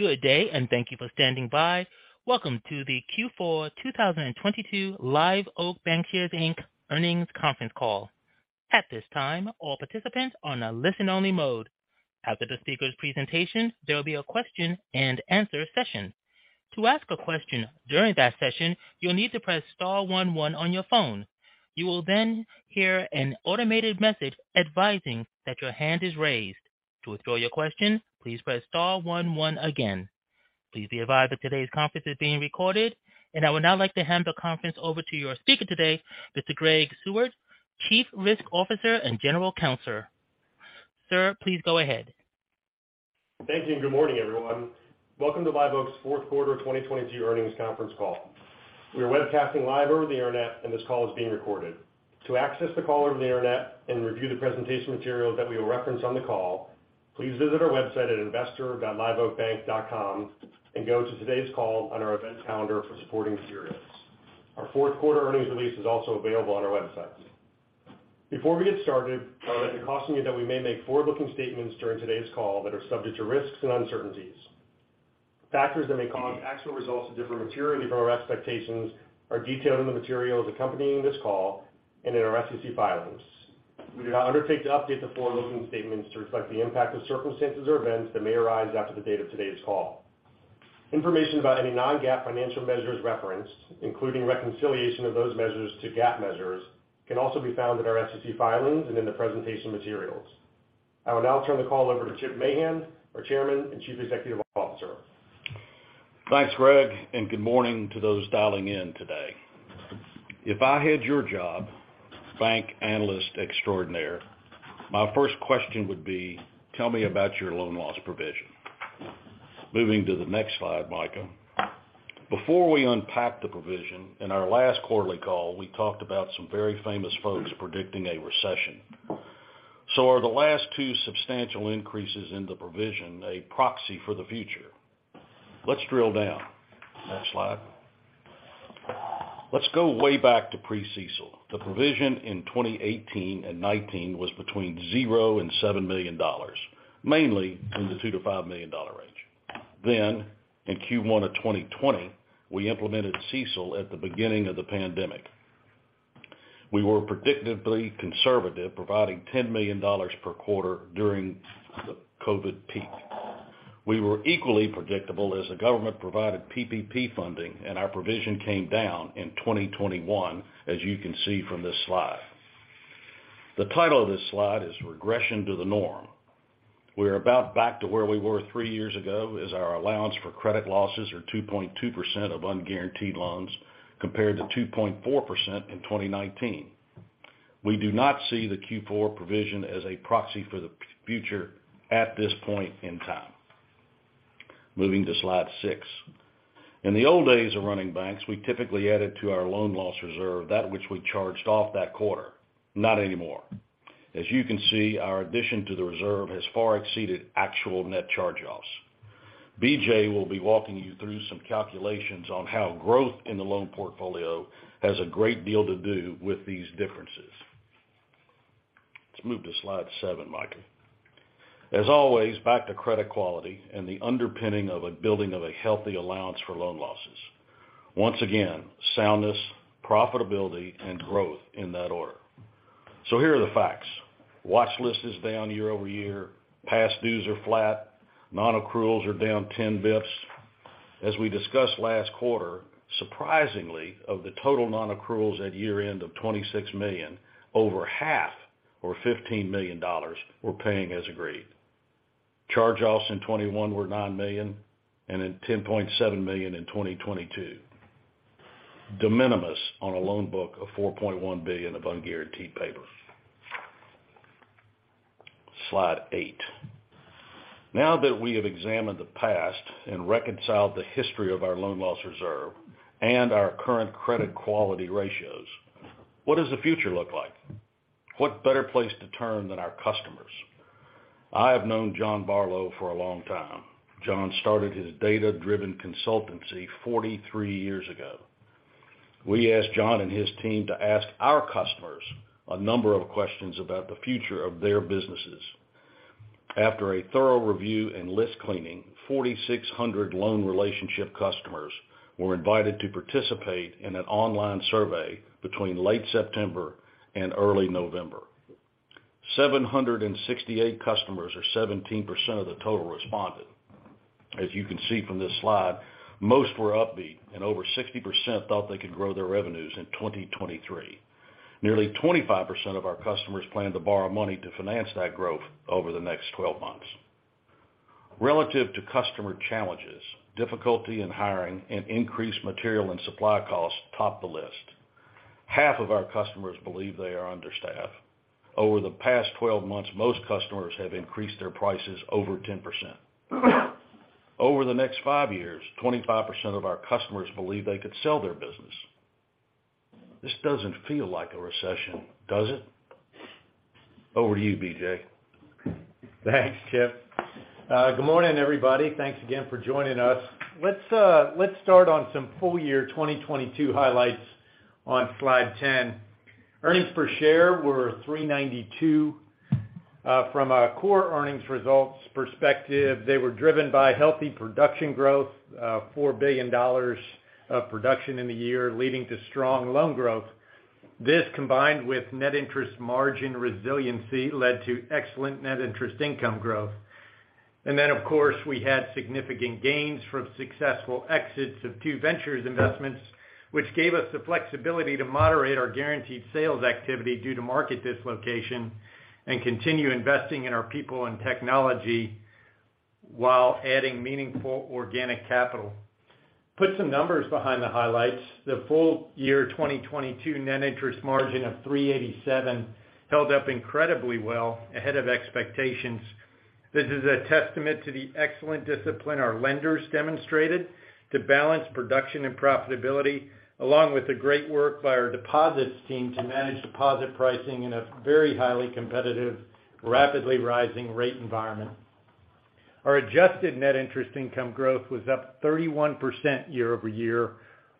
Welcome to the Q4 2022 Live Oak Bancshares Inc earnings conference call. At this time, all participants are on a listen-only mode. After the speaker's presentation, there will be a question and answer session. To ask a question during that session, you'll need to press star one one on your phone. You will then hear an automated message advising that your hand is raised. To withdraw your question, please press star one one again. Please be advised that today's conference is being recorded. I would now like to hand the conference over to your speaker today, Mr. Gregory Seward, Chief Risk Officer and General Counsel. Sir, please go ahead. Thank you and good morning, everyone. Welcome to Live Oak's Q4 2022 earnings conference call. We are webcasting live over the Internet, and this call is being recorded. To access the call over the Internet and review the presentation materials that we will reference on the call, please visit our website at investor.liveoakbank.com and go to today's call on our event calendar for supporting materials. Our Q4 earnings release is also available on our website. Before we get started, I would like to caution you that we may make forward-looking statements during today's call that are subject to risks and uncertainties. Factors that may cause actual results to differ materially from our expectations are detailed in the materials accompanying this call and in our SEC filings. We do not undertake to update the forward-looking statements to reflect the impact of circumstances or events that may arise after the date of today's call. Information about any non-GAAP financial measures referenced, including reconciliation of those measures to GAAP measures, can also be found in our SEC filings and in the presentation materials. I will now turn the call over to Chip Mahan, our Chairman and Chief Executive Officer. Thanks, Greg. Good morning to those dialing in today. If I had your job, bank analyst extraordinaire, my first question would be, tell me about your loan loss provision. Moving to the next slide, Michael. Before we unpack the provision, in our last quarterly call, we talked about some very famous folks predicting a recession. Are the last two substantial increases in the provision a proxy for the future? Let's drill down. Next slide. Let's go way back to pre-CECL. The provision in 2018 and 2019 was between $0-$7 million, mainly in the $2 million-$5 million range. In Q1 of 2020, we implemented CECL at the beginning of the pandemic. We were predictively conservative, providing $10 million per quarter during the COVID peak. We were equally predictable as the government provided PPP funding. Our provision came down in 2021, as you can see from this slide. The title of this slide is Regression to the Norm. We are about back to where we were three years ago as our allowance for credit losses are 2.2% of unguaranteed loans, compared to 2.4% in 2019. We do not see the Q4 provision as a proxy for the future at this point in time. Moving to slide six. In the old days of running banks, we typically added to our loan loss reserve that which we charged off that quarter. Not anymore. As you can see, our addition to the reserve has far exceeded actual net charge-offs. BJ will be walking you through some calculations on how growth in the loan portfolio has a great deal to do with these differences. Let's move to slide seven, Michael. As always, back to credit quality and the underpinning of a building of a healthy allowance for loan losses. Once again, soundness, profitability and growth in that order. Here are the facts. Watch list is down year-over-year. Past dues are flat. Non-accruals are down 10 basis points. As we discussed last quarter, surprisingly, of the total non-accruals at year-end of $26 million, over half or $15 million were paying as agreed. Charge-offs in 2021 were $9 million and then $10.7 million in 2022. De minimis on a loan book of $4.1 billion of unguaranteed paper. Slide eight. Now that we have examined the past and reconciled the history of our loan loss reserve and our current credit quality ratios, what does the future look like? What better place to turn than our customers? I have known John Barlow for a long time. John started his data-driven consultancy 43 years ago. We asked John and his team to ask our customers a number of questions about the future of their businesses. After a thorough review and list cleaning, 4,600 loan relationship customers were invited to participate in an online survey between late September and early November. 768 customers or 17% of the total responded. As you can see from this slide, most were upbeat and over 60% thought they could grow their revenues in 2023. Nearly 25% of our customers plan to borrow money to finance that growth over the next 12 months. Relative to customer challenges, difficulty in hiring and increased material and supply costs topped the list. Half of our customers believe they are understaffed. Over the past 12 months, most customers have increased their prices over 10%. Over the next five years, 25% of our customers believe they could sell their business. This doesn't feel like a recession, does it? Over to you, BJ. Thanks, Chip. Good morning, everybody. Thanks again for joining us. Let's start on some full year 2022 highlights on slide 10. Earnings per share were $3.92. From a core earnings results perspective, they were driven by healthy production growth, $4 billion of production in the year, leading to strong loan growth. This, combined with net interest margin resiliency, led to excellent net interest income growth. Then, of course, we had significant gains from successful exits of two Ventures investments, which gave us the flexibility to moderate our guaranteed sales activity due to market dislocation and continue investing in our people and technology while adding meaningful organic capital. Put some numbers behind the highlights. The full year 2022 net interest margin of 3.87% held up incredibly well, ahead of expectations. This is a testament to the excellent discipline our lenders demonstrated to balance production and profitability, along with the great work by our deposits team to manage deposit pricing in a very highly competitive, rapidly rising rate environment. Our adjusted net interest income growth was up 31% year-over-year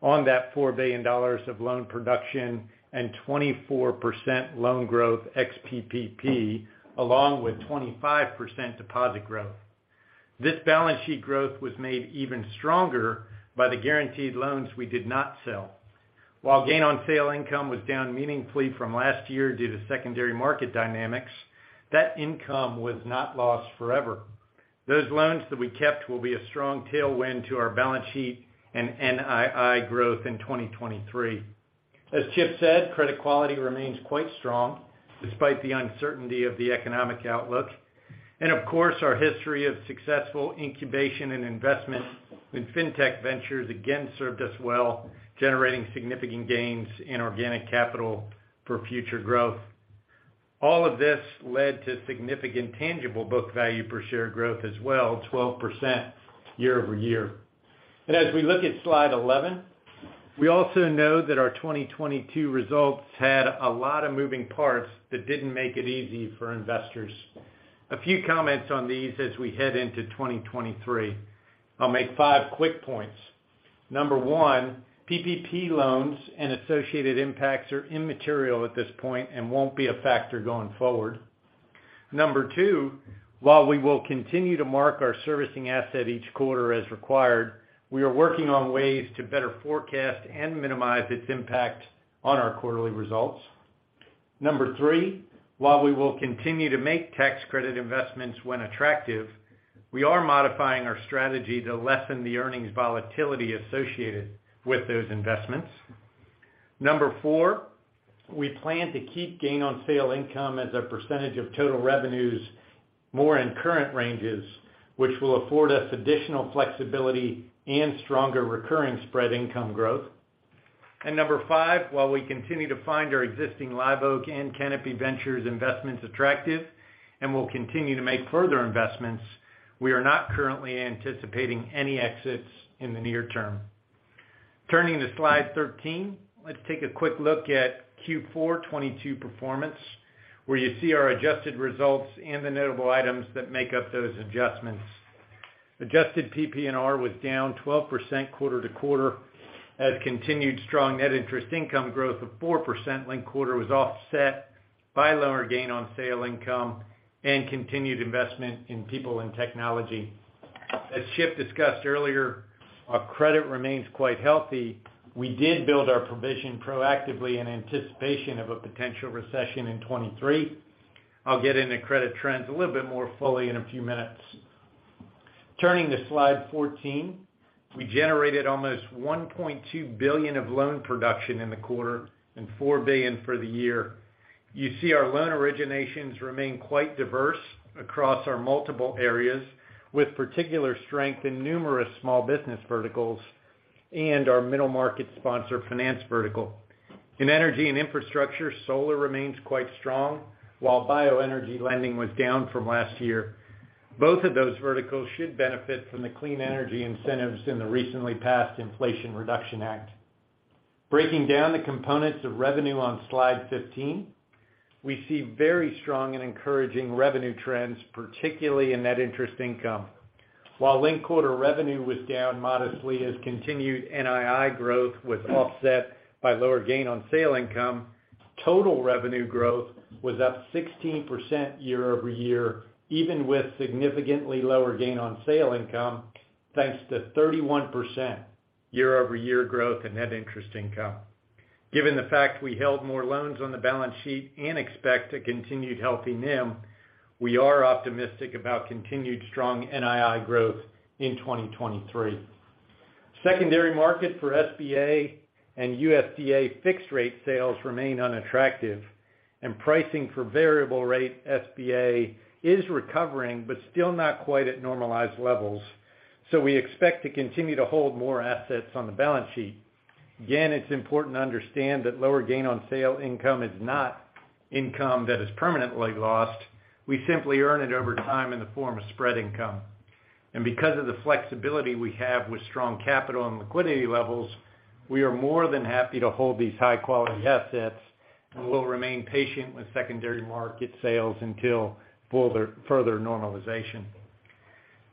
on that $4 billion of loan production and 24% loan growth ex PPP, along with 25% deposit growth. This balance sheet growth was made even stronger by the guaranteed loans we did not sell. While gain on sale income was down meaningfully from last year due to secondary market dynamics, that income was not lost forever. Those loans that we kept will be a strong tailwind to our balance sheet and NII growth in 2023. As Chip said, credit quality remains quite strong despite the uncertainty of the economic outlook. Of course, our history of successful incubation and investment in fintech ventures again served us well, generating significant gains in organic capital for future growth. All of this led to significant tangible book value per share growth as well, 12% year-over-year. As we look at slide 11, we also know that our 2022 results had a lot of moving parts that didn't make it easy for investors. A few comments on these as we head into 2023. I'll make five quick points. Number one, PPP loans and associated impacts are immaterial at this point and won't be a factor going forward. Number two, while we will continue to mark our servicing asset each quarter as required, we are working on ways to better forecast and minimize its impact on our quarterly results. Number three, while we will continue to make tax credit investments when attractive, we are modifying our strategy to lessen the earnings volatility associated with those investments. Number four, we plan to keep gain on sale income as a percentage of total revenues more in current ranges, which will afford us additional flexibility and stronger recurring spread income growth. Number five, while we continue to find our existing Live Oak and Canapi Ventures investments attractive and will continue to make further investments, we are not currently anticipating any exits in the near term. Turning to slide 13, let's take a quick look at Q4 2022 performance, where you see our adjusted results and the notable items that make up those adjustments. Adjusted PPNR was down 12% quarter to quarter as continued strong net interest income growth of 4% linked quarter was offset by lower gain on sale income and continued investment in people and technology. As Chip discussed earlier, our credit remains quite healthy. We did build our provision proactively in anticipation of a potential recession in 2023. I'll get into credit trends a little bit more fully in a few minutes. Turning to slide 14, we generated almost $1.2 billion of loan production in the quarter and $4 billion for the year. You see our loan originations remain quite diverse across our multiple areas, with particular strength in numerous small business verticals and our middle market sponsor finance vertical. In energy and infrastructure, solar remains quite strong, while bioenergy lending was down from last year. Both of those verticals should benefit from the clean energy incentives in the recently passed Inflation Reduction Act. Breaking down the components of revenue on slide 15, we see very strong and encouraging revenue trends, particularly in net interest income. While linked-quarter revenue was down modestly as continued NII growth was offset by lower gain on sale income, total revenue growth was up 16% year-over-year, even with significantly lower gain on sale income, thanks to 31% year-over-year growth in net interest income. Given the fact we held more loans on the balance sheet and expect a continued healthy NIM, we are optimistic about continued strong NII growth in 2023. Secondary market for SBA and USDA fixed rate sales remain unattractive, and pricing for variable rate SBA is recovering but still not quite at normalized levels. We expect to continue to hold more assets on the balance sheet. Again, it's important to understand that lower gain on sale income is not income that is permanently lost. We simply earn it over time in the form of spread income. Because of the flexibility we have with strong capital and liquidity levels, we are more than happy to hold these high-quality assets and will remain patient with secondary market sales until further normalization.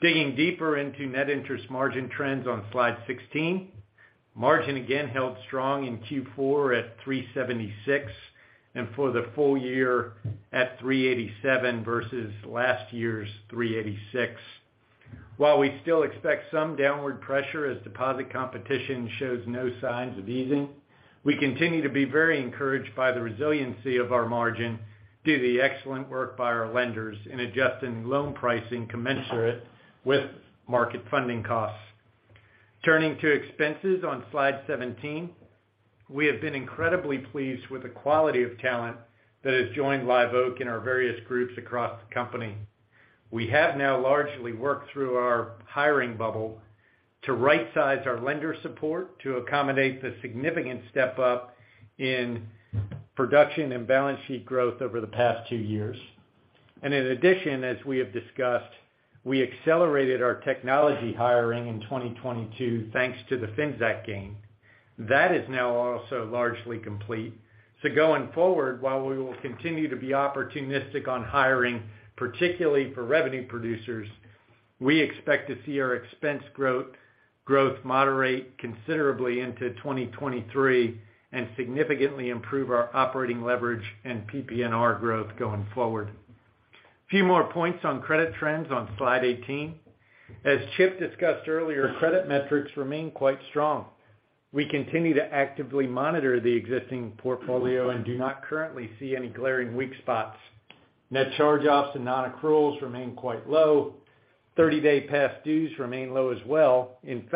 Digging deeper into net interest margin trends on Slide 16. Margin again held strong in Q4 at 3.76%, and for the full year at 3.87% versus last year's 3.86%. While we still expect some downward pressure as deposit competition shows no signs of easing, we continue to be very encouraged by the resiliency of our margin due to the excellent work by our lenders in adjusting loan pricing commensurate with market funding costs. Turning to expenses on Slide 17. We have been incredibly pleased with the quality of talent that has joined Live Oak in our various groups across the company. We have now largely worked through our hiring bubble to right size our lender support to accommodate the significant step-up in production and balance sheet growth over the past two years. In addition, as we have discussed, we accelerated our technology hiring in 2022, thanks to the FinTech gain. That is now also largely complete. Going forward, while we will continue to be opportunistic on hiring, particularly for revenue producers, we expect to see our expense growth moderate considerably into 2023 and significantly improve our operating leverage and PPNR growth going forward. Few more points on credit trends on Slide 18. As Chip discussed earlier, credit metrics remain quite strong. We continue to actively monitor the existing portfolio and do not currently see any glaring weak spots. Net charge-offs and non-accruals remain quite low. 30-day past dues remain low as well. In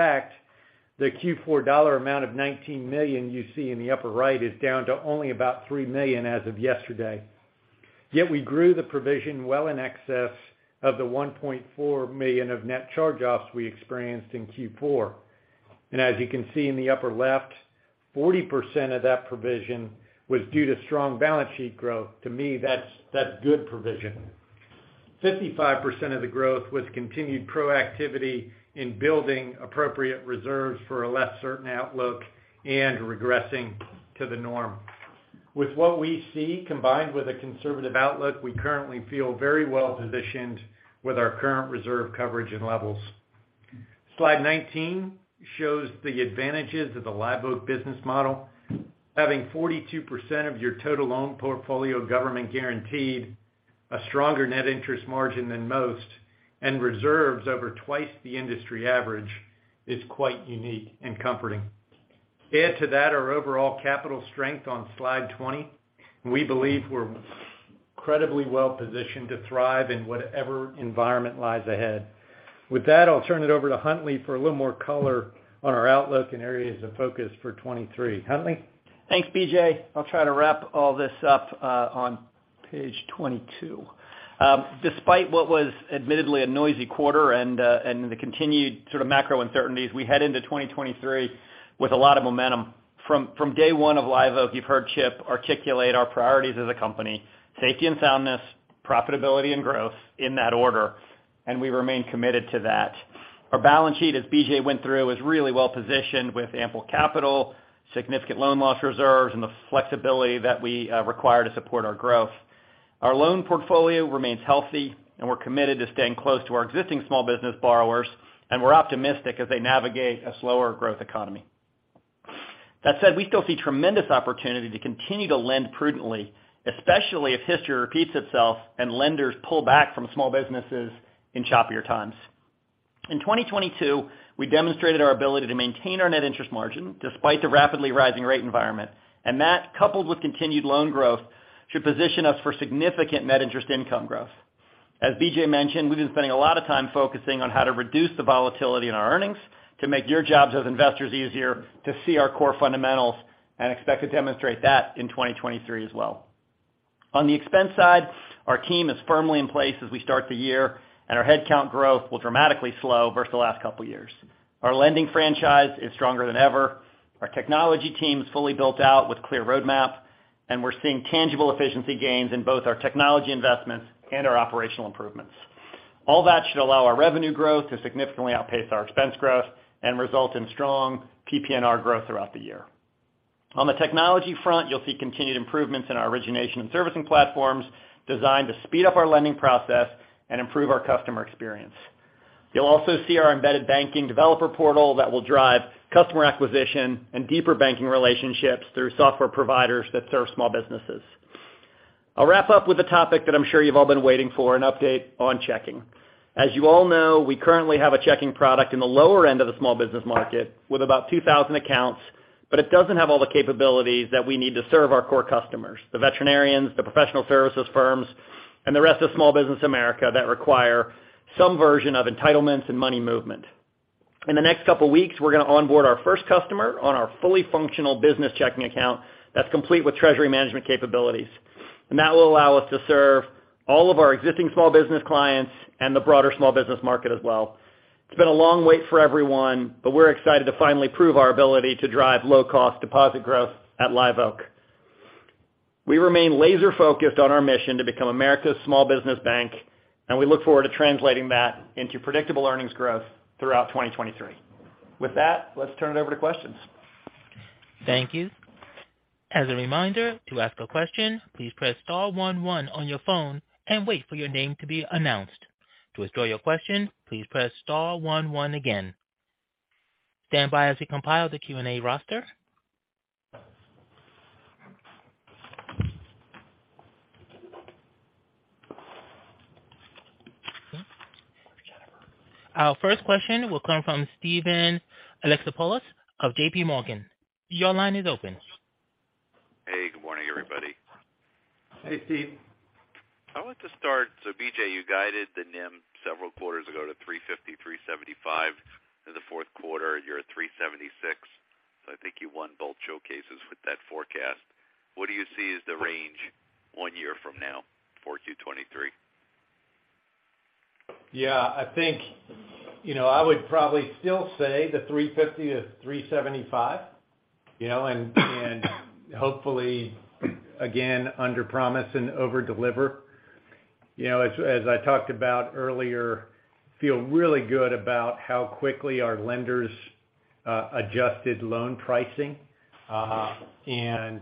fact, the Q4 dollar amount of $19 million you see in the upper right is down to only about $3 million as of yesterday. Yet we grew the provision well in excess of the $1.4 million of net charge-offs we experienced in Q4. As you can see in the upper left, 40% of that provision was due to strong balance sheet growth. To me, that's good provision. 55% of the growth was continued proactivity in building appropriate reserves for a less certain outlook and regressing to the norm. With what we see, combined with a conservative outlook, we currently feel very well-positioned with our current reserve coverage and levels. Slide 19 shows the advantages of the Live Oak business model. Having 42% of your total loan portfolio government-guaranteed, a stronger net interest margin than most, and reserves over twice the industry average is quite unique and comforting. Add to that our overall capital strength on Slide 20, we believe we're incredibly well-positioned to thrive in whatever environment lies ahead. With that, I'll turn it over to Huntley for a little more color on our outlook and areas of focus for 2023. Huntley? Thanks, BJ. I'll try to wrap all this up on page 22. Despite what was admittedly a noisy quarter and the continued sort of macro uncertainties, we head into 2023 with a lot of momentum. From day one of Live Oak, you've heard Chip articulate our priorities as a company, safety and soundness, profitability and growth in that order. We remain committed to that. Our balance sheet, as BJ went through, is really well-positioned with ample capital, significant loan loss reserves, and the flexibility that we require to support our growth. Our loan portfolio remains healthy, and we're committed to staying close to our existing small business borrowers. We're optimistic as they navigate a slower growth economy. That said, we still see tremendous opportunity to continue to lend prudently, especially if history repeats itself and lenders pull back from small businesses in choppier times. In 2022, we demonstrated our ability to maintain our net interest margin despite the rapidly rising rate environment. That, coupled with continued loan growth, should position us for significant net interest income growth. As BJ mentioned, we've been spending a lot of time focusing on how to reduce the volatility in our earnings to make your jobs as investors easier to see our core fundamentals and expect to demonstrate that in 2023 as well. On the expense side, our team is firmly in place as we start the year. Our headcount growth will dramatically slow versus the last couple years. Our lending franchise is stronger than ever. Our technology team is fully built out with clear roadmap, and we're seeing tangible efficiency gains in both our technology investments and our operational improvements. All that should allow our revenue growth to significantly outpace our expense growth and result in strong PPNR growth throughout the year. On the technology front, you'll see continued improvements in our origination and servicing platforms designed to speed up our lending process and improve our customer experience. You'll also see our embedded banking developer portal that will drive customer acquisition and deeper banking relationships through software providers that serve small businesses. I'll wrap up with a topic that I'm sure you've all been waiting for, an update on checking. As you all know, we currently have a checking product in the lower end of the small business market with about 2,000 accounts, but it doesn't have all the capabilities that we need to serve our core customers, the veterinarians, the professional services firms, and the rest of small business America that require some version of entitlements and money movement. In the next couple weeks, we're gonna onboard our first customer on our fully functional business checking account that's complete with treasury management capabilities. That will allow us to serve all of our existing small business clients and the broader small business market as well. It's been a long wait for everyone, but we're excited to finally prove our ability to drive low-cost deposit growth at Live Oak. We remain laser-focused on our mission to become America's small business bank, we look forward to translating that into predictable earnings growth throughout 2023. With that, let's turn it over to questions. Thank you. As a reminder, to ask a question, please press star one on your phone and wait for your name to be announced. To withdraw your question, please press star one again. Stand by as we compile the Q&A roster. Our first question will come from Steven Alexopoulos of J.P. Morgan. Your line is open. Hey, good morning, everybody. Hey, Steve. I want to start. BJ, you guided the NIM several quarters ago to 350-375. In the Q4, you're at 376. I think you won both showcases with that forecast. What do you see as the range one year from now for Q23? Yeah, I think, you know, I would probably still say the $350-$375, you know, hopefully again, under promise and over deliver. You know, as I talked about earlier, feel really good about how quickly our lenders adjusted loan pricing and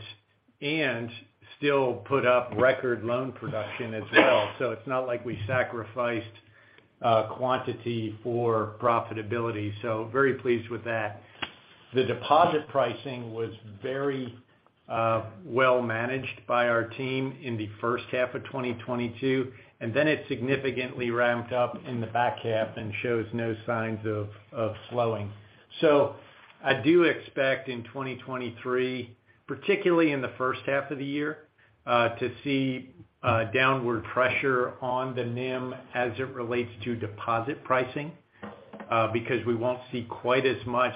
still put up record loan production as well. It's not like we sacrificed quantity for profitability. Very pleased with that. The deposit pricing was very well managed by our team in the H1 of 2022, and then it significantly ramped up in the back half and shows no signs of slowing. I do expect in 2023, particularly in the H1 of the year, to see downward pressure on the NIM as it relates to deposit pricing, because we won't see quite as much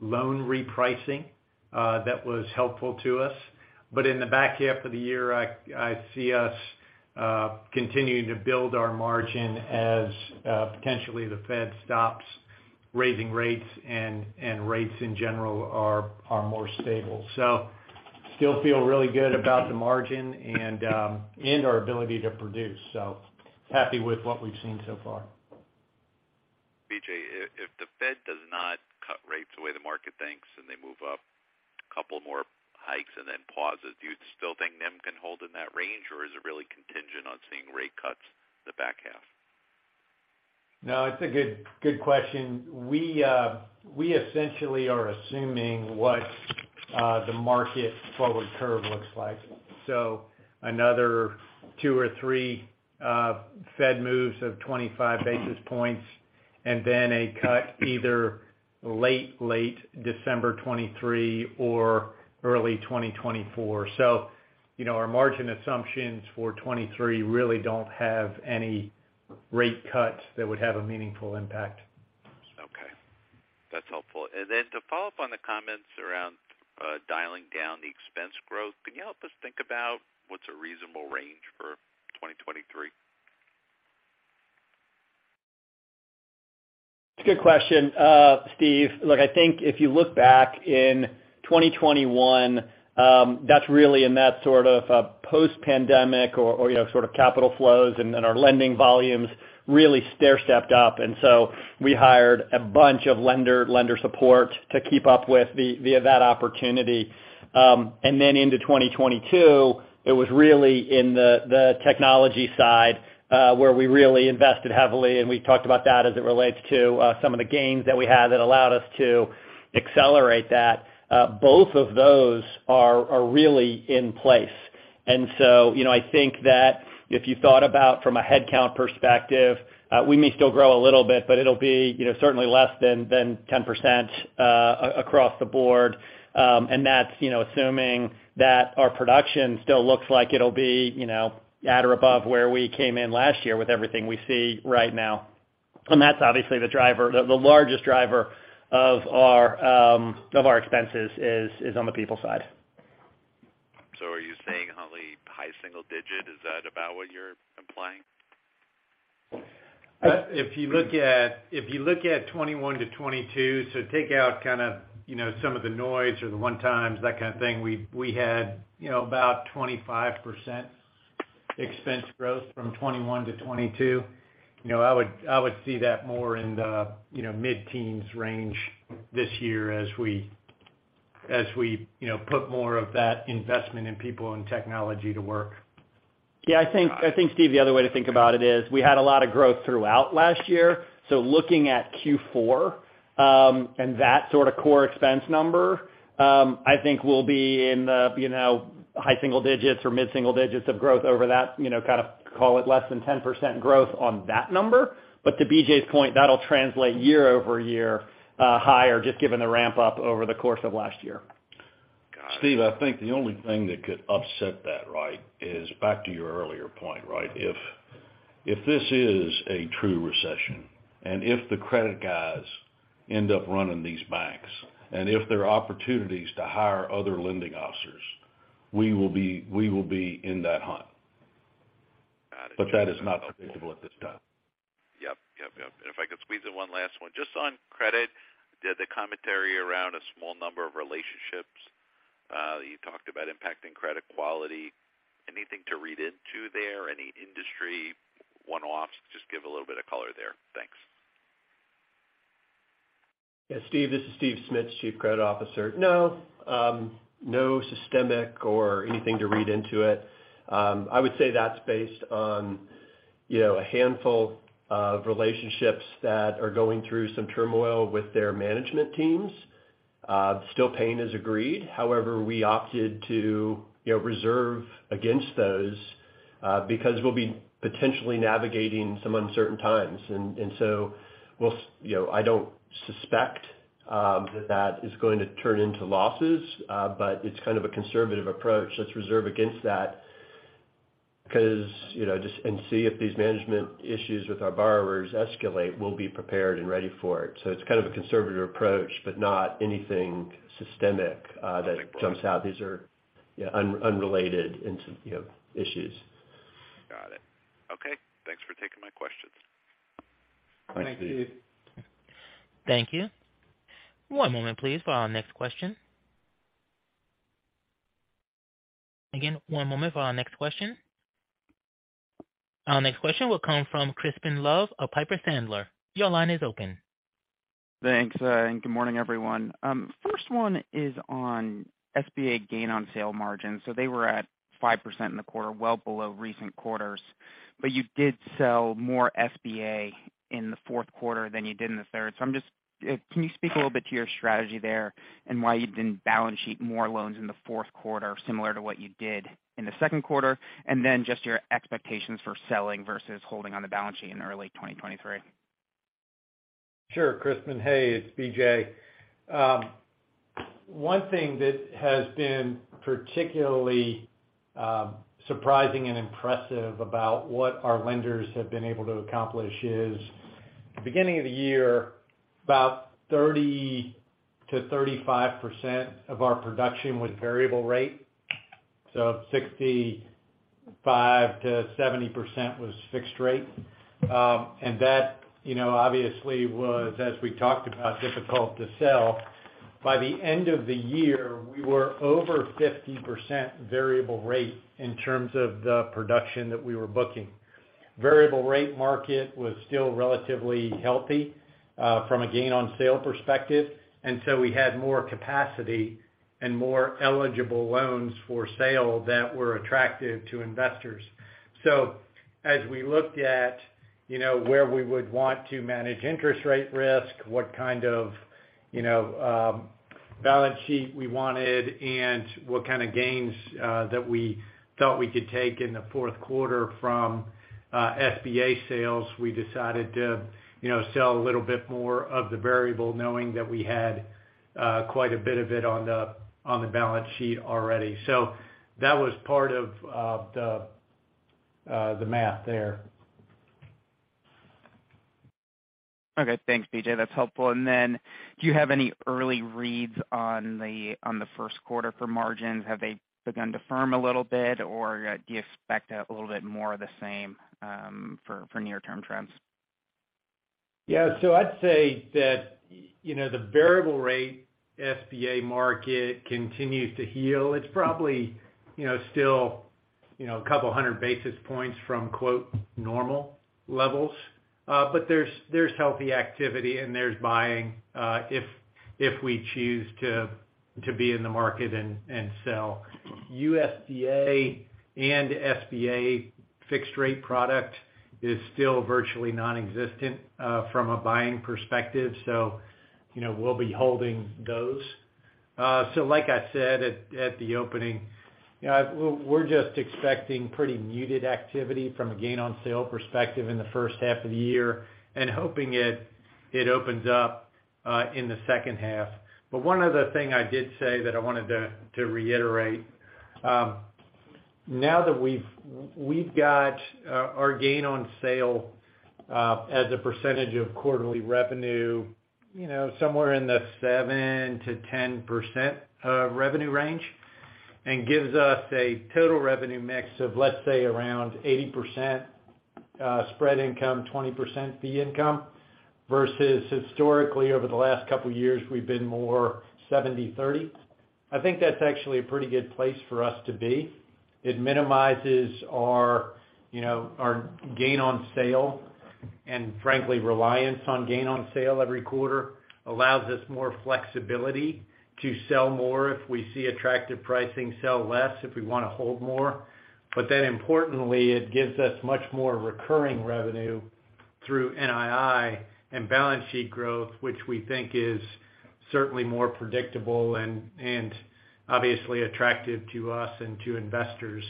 loan repricing, that was helpful to us. In the back half of the year, I see us continuing to build our margin as potentially the Fed stops raising rates and rates in general are more stable. Still feel really good about the margin and our ability to produce. Happy with what we've seen so far. BJ, if the Fed does not cut rates the way the market thinks, and they move up a couple more hikes and then pauses, do you still think NIM can hold in that range, or is it really contingent on seeing rate cuts the back half? No, it's a good question. We essentially are assuming what, the market forward curve looks like. Another two or three Fed moves of 25 basis points and then a cut either late December 23 or early 2024. You know, our margin assumptions for 23 really don't have any rate cuts that would have a meaningful impact. Okay, that's helpful. Then to follow up on the comments around dialing down the expense growth, can you help us think about what's a reasonable range for 2023? It's a good question. Steve, look, I think if you look back in 2021, that's really in that sort of, post-pandemic or, you know, sort of capital flows and our lending volumes really stair-stepped up. So we hired a bunch of lender support to keep up with that opportunity. Then into 2022, it was really in the technology side, where we really invested heavily, and we talked about that as it relates to some of the gains that we had that allowed us to accelerate that. Both of those are really in place. So, you know, I think that if you thought about from a headcount perspective, we may still grow a little bit, but it'll be, you know, certainly less than 10% across the board. That's, you know, assuming that our production still looks like it'll be, you know, at or above where we came in last year with everything we see right now. That's obviously the driver. The largest driver of our expenses is on the people side. Are you saying only high single digit? Is that about what you're implying? If you look at 21 to 22, so take out kind of, you know, some of the noise or the 1x, that kind of thing. We had, you know, about 25% expense growth from 21 to 22. You know, I would see that more in the, you know, mid-teens range this year as we, you know, put more of that investment in people and technology to work. I think, Steve, the other way to think about it is we had a lot of growth throughout last year. Looking at Q4, and that sort of core expense number, I think we'll be in the, you know, high single digits or mid-single digits of growth over that, you know, kind of call it less than 10% growth on that number. To BJ's point, that'll translate year-over-year, higher just given the ramp up over the course of last year. Steve, I think the only thing that could upset that, right, is back to your earlier point, right? If this is a true recession, and if the credit guys end up running these banks, and if there are opportunities to hire other lending officers, we will be in that hunt. That is not predictable at this time. Yep. Yep. Yep. If I could squeeze in one last one. Just on credit, the commentary around a small number of relationships, you talked about impacting credit quality. Anything to read into there? Any industry one-offs? Just give a little bit of color there. Thanks. Yeah, Steve, this is Steve Smith, Chief Credit Officer. No, no systemic or anything to read into it. I would say that's based on, you know, a handful of relationships that are going through some turmoil with their management teams. Still paying as agreed. However, we opted to, you know, reserve against those because we'll be potentially navigating some uncertain times. We'll, you know, I don't suspect that that is going to turn into losses, but it's kind of a conservative approach. Let's reserve against that because, you know, and see if these management issues with our borrowers escalate, we'll be prepared and ready for it. It's kind of a conservative approach, but not anything systemic that jumps out. These are, you know, unrelated into, you know, issues. Got it. Okay. Thanks for taking my questions. Thank you. Thank you. One moment please for our next question. Again, one moment for our next question. Our next question will come from Crispin Love of Piper Sandler. Your line is open. Thanks, good morning, everyone. First one is on SBA gain on sale margins. They were at 5% in the quarter, well below recent quarters, but you did sell more SBA in the Q4 than you did in the third. I'm just, can you speak a little bit to your strategy there and why you didn't balance sheet more loans in the Q4, similar to what you did in the Q2? Just your expectations for selling versus holding on the balance sheet in early 2023? Sure, Crispin. Hey, it's BJ. One thing that has been particularly surprising and impressive about what our lenders have been able to accomplish is beginning of the year, about 30% to 35% of our production was variable rate, so 65% to 70% was fixed rate. That, you know, obviously was, as we talked about, difficult to sell. By the end of the year, we were over 50% variable rate in terms of the production that we were booking. Variable rate market was still relatively healthy, from a gain on sale perspective, and so we had more capacity and more eligible loans for sale that were attractive to investors. As we looked at, you know, where we would want to manage interest rate risk, what kind of, you know, balance sheet we wanted and what kind of gains that we felt we could take in the Q4 from SBA sales, we decided to, you know, sell a little bit more of the variable knowing that we had quite a bit of it on the balance sheet already. That was part of the math there. Okay. Thanks, BJ. That's helpful. Do you have any early reads on the Q1 for margins? Have they begun to firm a little bit, or do you expect a little bit more of the same for near-term trends? Yeah. I'd say that, you know, the variable rate SBA market continues to heal. It's probably, you know, still, you know, 200 basis points from, quote, "normal levels." There's healthy activity and there's buying if we choose to be in the market and sell. USDA and SBA fixed rate product is still virtually nonexistent from a buying perspective, so, you know, we'll be holding those. Like I said at the opening, we're just expecting pretty muted activity from a gain on sale perspective in the H1 of the year and hoping it opens up in the H2. One other thing I did say that I wanted to reiterate, now that we've got our gain on sale as a percentage of quarterly revenue, you know, somewhere in the 7-10% of revenue range and gives us a total revenue mix of, let's say, around 80% spread income, 20% fee income versus historically over the last couple years, we've been more 70/30. I think that's actually a pretty good place for us to be. It minimizes our, you know, our gain on sale and frankly, reliance on gain on sale every quarter, allows us more flexibility to sell more if we see attractive pricing, sell less if we wanna hold more. Importantly, it gives us much more recurring revenue through NII and balance sheet growth, which we think is certainly more predictable and obviously attractive to us and to investors.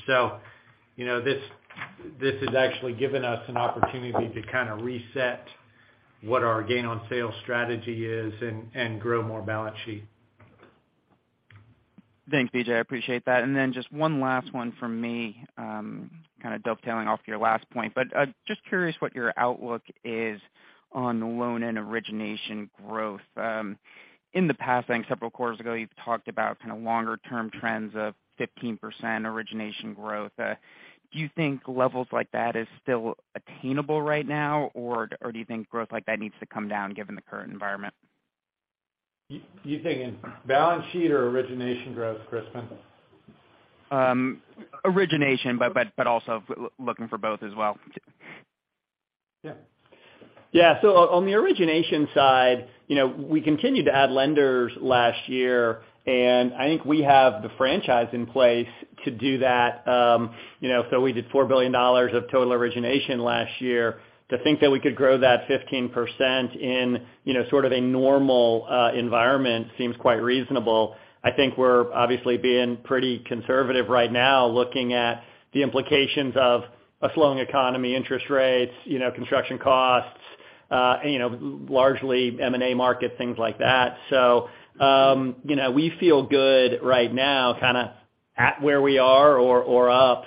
You know, this has actually given us an opportunity to kind of reset what our gain on sale strategy is and grow more balance sheet. Thanks, BJ. I appreciate that. Just one last one from me, kind of dovetailing off your last point, just curious what your outlook is on loan and origination growth. In the past, I think several quarters ago, you've talked about kind of longer term trends of 15% origination growth. Do you think levels like that is still attainable right now, or do you think growth like that needs to come down given the current environment? You, you thinking balance sheet or origination growth, Crispin? origination, but also looking for both as well. Yeah. Yeah. On the origination side, you know, we continued to add lenders last year, and I think we have the franchise in place to do that. you know, we did $4 billion of total origination last year. To think that we could grow that 15% in, you know, sort of a normal, environment seems quite reasonable. I think we're obviously being pretty conservative right now, looking at the implications of a slowing economy, interest rates, you know, construction costs, you know, largely M&A market, things like that. you know, we feel good right now kinda at where we are or up.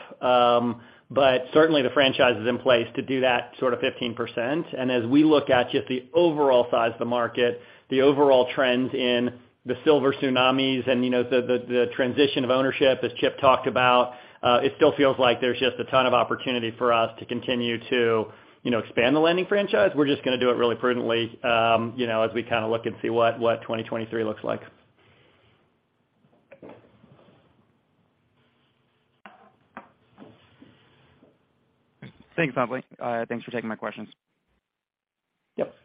certainly the franchise is in place to do that sort of 15%. As we look at just the overall size of the market, the overall trends in the silver tsunami and, you know, the transition of ownership, as Chip talked about, it still feels like there's just a ton of opportunity for us to continue to, you know, expand the lending franchise. We're just gonna do it really prudently, you know, as we kinda look and see what 2023 looks like. Thanks, Huntley. Thanks for taking my questions. Yep.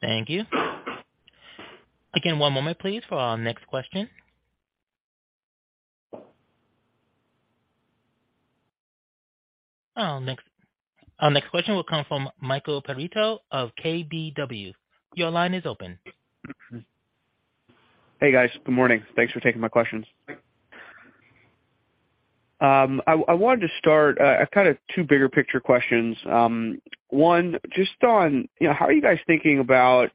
Thank you. Again, one moment please for our next question. Our next question will come from Michael Perito of KBW. Your line is open. Hey, guys. Good morning. Thanks for taking my questions. I wanted to start, I've kind of two bigger picture questions. One, just on, you know, how are you guys thinking about,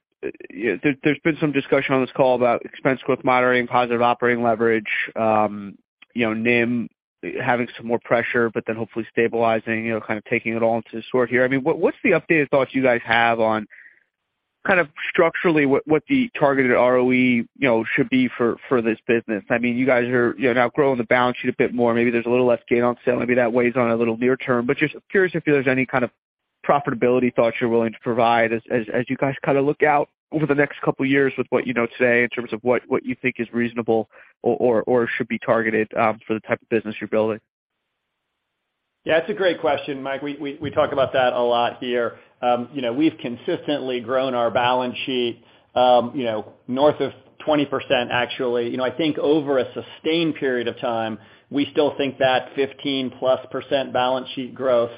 there's been some discussion on this call about expense growth moderating, positive operating leverage, you know, NIM having some more pressure but then hopefully stabilizing, you know, kind of taking it all into sort here. I mean, what's the updated thoughts you guys have on kind of structurally what the targeted ROE, you know, should be for this business? I mean, you guys are, you know, now growing the balance sheet a bit more. Maybe there's a little less gain on sale. Maybe that weighs on a little near term. Just curious if there's any kind of profitability thoughts you're willing to provide as you guys kinda look out over the next couple years with what you know today in terms of what you think is reasonable or should be targeted, for the type of business you're building. Yeah, it's a great question, Mike. We talk about that a lot here. You know, we've consistently grown our balance sheet, you know, north of 20% actually. You know, I think over a sustained period of time, we still think that 15%+ balance sheet growth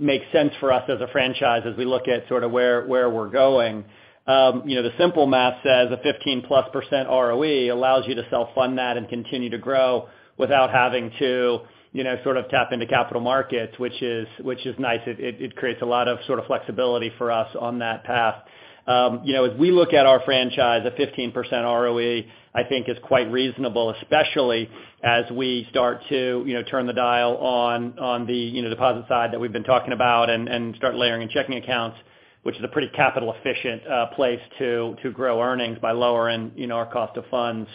makes sense for us as a franchise as we look at sort of where we're going. You know, the simple math says a 15%+ ROE allows you to self-fund that and continue to grow without having to, you know, sort of tap into capital markets, which is, which is nice. It creates a lot of sort of flexibility for us on that path. you know, as we look at our franchise, a 15% ROE, I think is quite reasonable, especially as we start to, you know, turn the dial on the, you know, deposit side that we've been talking about and start layering in checking accounts, which is a pretty capital efficient place to grow earnings by lowering, you know, our cost of funds.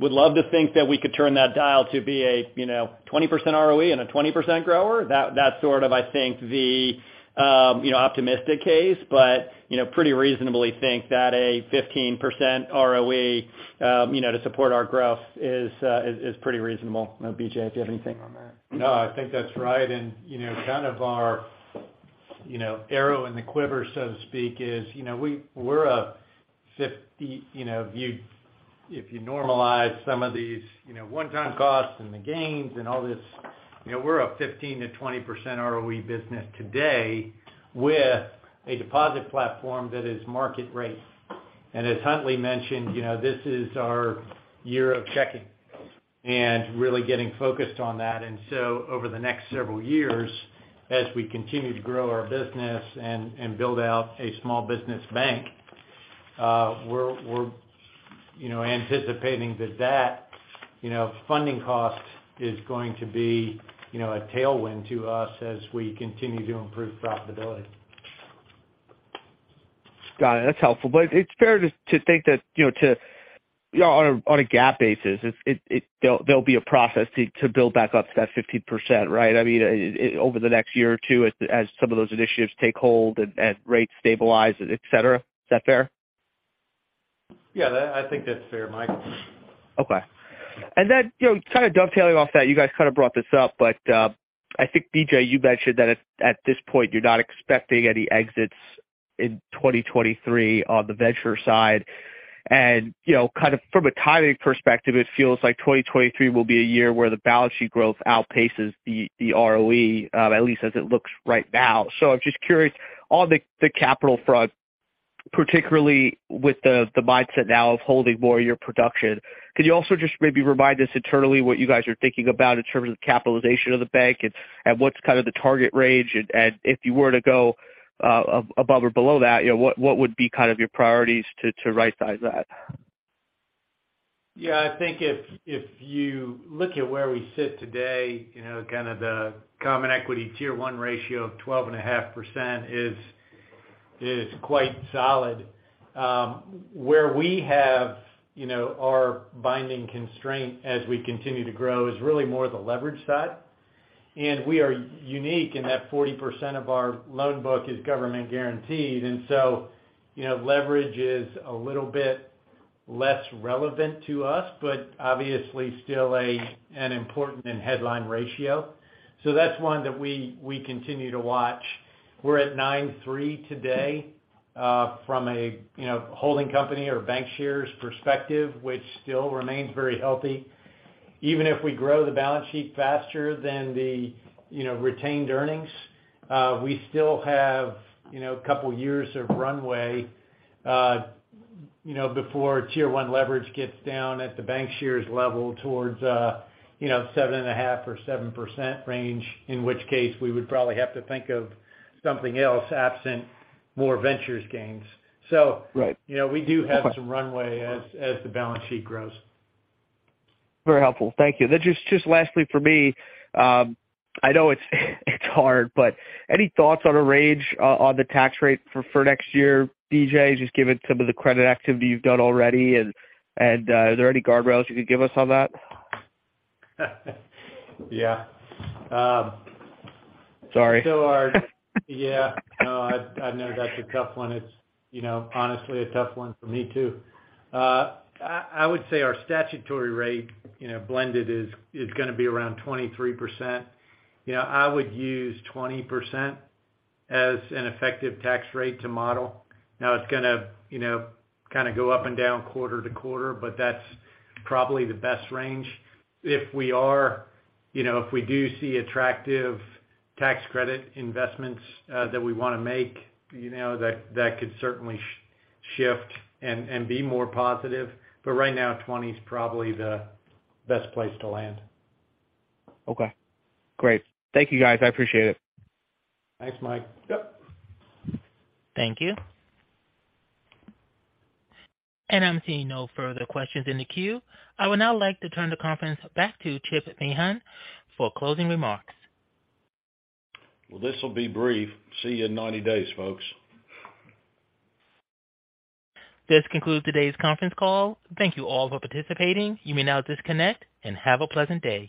would love to think that we could turn that dial to be a, you know, 20% ROE and a 20% grower. That's sort of, I think, the, you know, optimistic case. you know, pretty reasonably think that a 15% ROE, you know, to support our growth is pretty reasonable. BJ, do you have anything on that? No, I think that's right. You know, kind of our, you know, arrow in the quiver, so to speak, is, you know, if you, if you normalize some of these, you know, one-time costs and the gains and all this, you know, we're a 15% to 20% ROE business today with a deposit platform that is market rate. As Huntley mentioned, you know, this is our year of checking and really getting focused on that. Over the next several years, as we continue to grow our business and build out a small business bank, we're, you know, anticipating that that, you know, funding cost is going to be, you know, a tailwind to us as we continue to improve profitability. Got it. That's helpful. It's fair to think that, you know, on a GAAP basis, it, there'll be a process to build back up to that 15%, right? I mean, over the next year or two as some of those initiatives take hold and rates stabilize, et cetera. Is that fair? Yeah, I think that's fair, Mike. Okay. you know, kind of dovetailing off that, you guys kind of brought this up, but, I think, BJ, you mentioned that at this point you're not expecting any exits in 2023 on the venture side. You know, kind of from a timing perspective, it feels like 2023 will be a year where the balance sheet growth outpaces the ROE, at least as it looks right now. I'm just curious on the capital front, particularly with the mindset now of holding more of your production, could you also just maybe remind us internally what you guys are thinking about in terms of capitalization of the bank and what's kind of the target range, and if you were to go above or below that, you know, what would be kind of your priorities to rightsize that? Yeah. I think if you look at where we sit today, you know, kind of the Common Equity Tier 1 ratio of 12.5% is quite solid. Where we have, you know, our binding constraint as we continue to grow is really more the leverage side. We are unique in that 40% of our loan book is government guaranteed. You know, leverage is a little bit less relevant to us, but obviously still a, an important and headline ratio. That's one that we continue to watch. We're at 9.3% today from a, you know, holding company or bank shares perspective, which still remains very healthy. Even if we grow the balance sheet faster than the, you know, retained earnings, we still have, you know, a couple years of runway, you know, before Tier 1 leverage gets down at the bank shares level towards, you know, 7.5% or 7% range. In which case we would probably have to think of something else absent more ventures gains. Right. You know, we do have some runway as the balance sheet grows. Very helpful. Thank you. Just lastly for me, I know it's hard, but any thoughts on a range, on the tax rate for next year, BJ? Just given some of the credit activity you've done already, and are there any guardrails you could give us on that? Yeah. Sorry. Hard. Yeah. No, I know that's a tough one. It's, you know, honestly a tough one for me too. I would say our statutory rate, you know, blended is gonna be around 23%. You know, I would use 20% as an effective tax rate to model. It's gonna, you know, kinda go up and down quarter to quarter, but that's probably the best range. If we are, you know, if we do see attractive tax credit investments, that we wanna make, you know, that could certainly shift and be more positive. Right now, 20 is probably the best place to land. Okay. Great. Thank you, guys, I appreciate it. Thanks, Mike. Yep. Thank you. I'm seeing no further questions in the queue. I would now like to turn the conference back to Chip Mahan for closing remarks. Well, this will be brief. See you in 90 days, folks. This concludes today's conference call. Thank you all for participating. You may now disconnect and have a pleasant day.